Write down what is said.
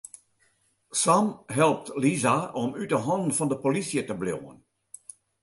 Sam helpt Lisa om út 'e hannen fan de polysje te bliuwen.